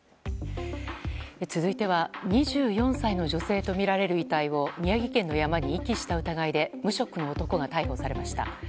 続いては２４歳の女性とみられる遺体を宮城県の山に遺棄した疑いで無職の男が逮捕されました。